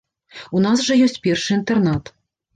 У нас жа ёсць першы інтэрнат.